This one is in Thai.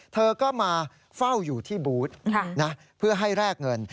เธอก็มาเฝ้าอยู่ที่บูธเพื่อให้แลกเงิน